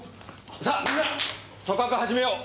さあみんな組閣始めよう！